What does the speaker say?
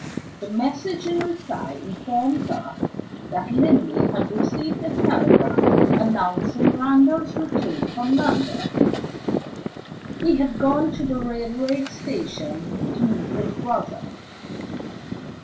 The message in reply informed her that Linley had received a telegram announcing Randal's return from London. He had gone to the railway station to meet his brother.